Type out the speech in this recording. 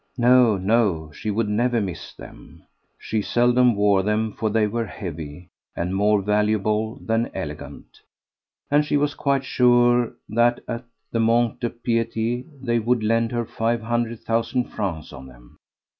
No, no! she would never miss them; she seldom wore them, for they were heavy and more valuable than elegant, and she was quite sure that at the Mont de Piété they would lend her five hundred thousand francs on them.